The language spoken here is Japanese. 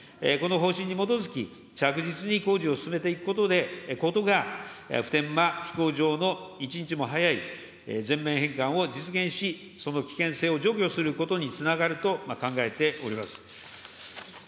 この方針に基づき、着実に工事を進めていくことが、普天間飛行場の一日も早い全面返還を実現し、その危険性を除去することにつながると考えております。